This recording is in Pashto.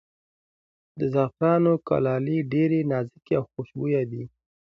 د زعفرانو کلالې ډېرې نازکې او خوشبویه دي.